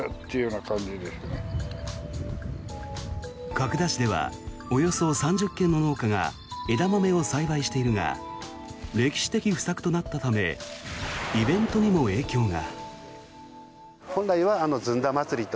角田市ではおよそ３０軒の農家が枝豆を栽培しているが歴史的不作となったためイベントにも影響が。